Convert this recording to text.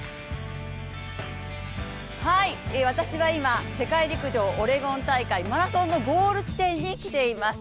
はい、私は今、世界陸上オレゴン大会マラソンのゴール地点に来ています。